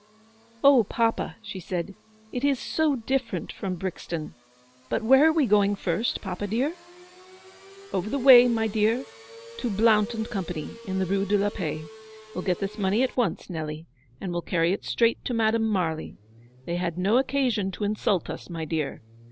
" Oh, papa," she said, " it is so different from Brixton. But where are we going first, papa, dear V " Over the way, my dear, to Blount & Co.'s, in the Rue de la Paix. We'll get this money at once, Nelly, and well carry it straight to Madame Marly. They had no occasion to insult us, my dear.